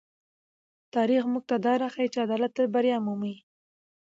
تاریخ موږ ته راښيي چې عدالت تل بریا مومي.